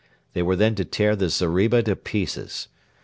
They were then to tear the zeriba to pieces.